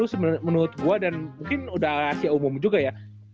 cuma kelemahan widi itu menurut gue dan mungkin udah rahasia umum juga ya